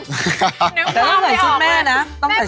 แต่ยังเป็นชุดแม่นะต้องใส่ชุดแม่